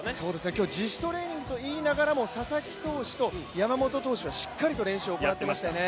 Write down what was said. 今日、自主トレーニングといいながらも、佐々木投手と山本投手はしっかりと練習を行ってましたよね。